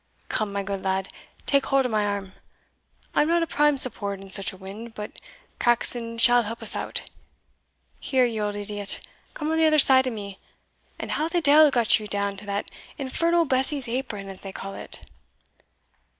Come, my good lad, take hold of my arm; I am not a prime support in such a wind but Caxon shall help us out Here, you old idiot, come on the other side of me. And how the deil got you down to that infernal Bessy's apron, as they call it?